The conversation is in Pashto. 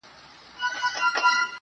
مه وله د سترگو اټوم مه وله